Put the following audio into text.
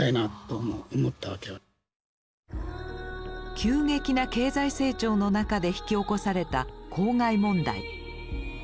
急激な経済成長の中で引き起こされた公害問題。